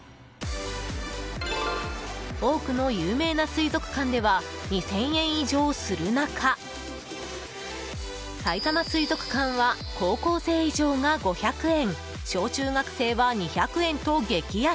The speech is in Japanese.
多くの有名な水族館では２０００円以上する中さいたま水族館は高校生以上が５００円小中学生は２００円と激安！